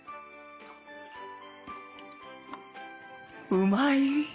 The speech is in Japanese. うまい！